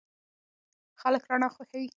خلک رڼا خوښوي.